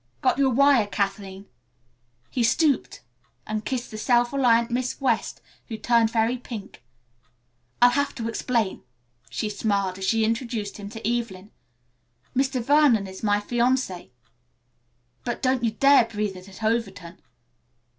"Got your wire, Kathleen." He stooped and kissed the self reliant Miss West, who turned very pink. "I'll have to explain," she smiled as she introduced him to Evelyn. "Mr. Vernon is my fiancé, but don't you dare breathe it at Overton.